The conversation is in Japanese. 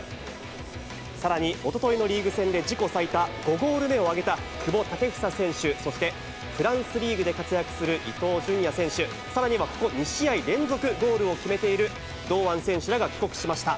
さらに、おとといのリーグ戦で自己最多５ゴール目を挙げた久保建英選手、そしてフランスリーグで活躍する伊東純也選手、さらにはここ２試合連続ゴールを決めている堂安選手らが帰国しました。